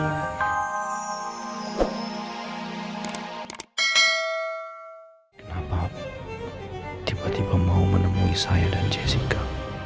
kenapa tiba tiba mau menemui saya dan jessica